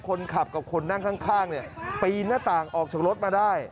คนขับกับคนนั่งข้างเนี่ยปีนหน้าต่างออกจากรถมาได้